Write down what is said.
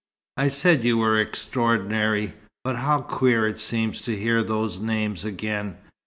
"I said you were extraordinary! But how queer it seems to hear those names again.